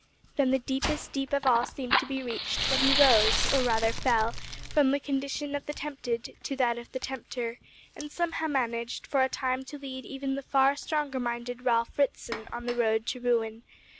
Then the deepest deep of all seemed to be reached when he rose or rather fell from the condition of tempted to that of tempter, and, somehow, managed for a time to lead even the far stronger minded Ralph Ritson on the road to ruin.